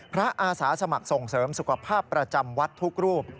อาสาสมัครส่งเสริมสุขภาพประจำวัดทุกรูป